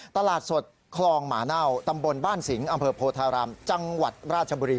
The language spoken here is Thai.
ตลาดสดคลองหมาเน่าตำบลบ้านสิงห์อำเภอโพธารามจังหวัดราชบุรี